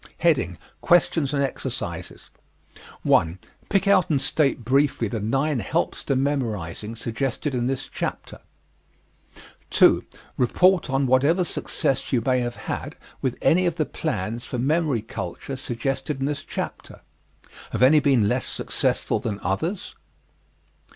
_ QUESTIONS AND EXERCISES 1. Pick out and state briefly the nine helps to memorizing suggested in this chapter. 2. Report on whatever success you may have had with any of the plans for memory culture suggested in this chapter. Have any been less successful than others?